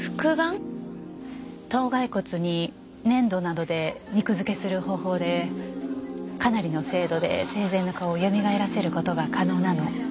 頭骸骨に粘土などで肉付けする方法でかなりの精度で生前の顔をよみがえらせる事が可能なの。